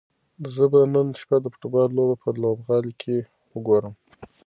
زه به نن شپه د فوټبال لوبه په لوبغالي کې وګورم.